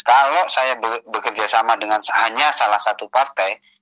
kalau saya bekerjasama dengan hanya salah satu partai